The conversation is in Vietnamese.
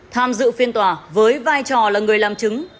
tham dự phiên tòa với vai trò là người làm chứng